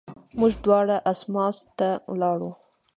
موږ دواړه اسماس ته ولاړو.